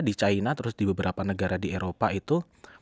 di china terus di beberapa negara di eropa itu